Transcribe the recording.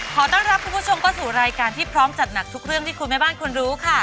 ขอต้อนรับคุณผู้ชมเข้าสู่รายการที่พร้อมจัดหนักทุกเรื่องที่คุณแม่บ้านคุณรู้ค่ะ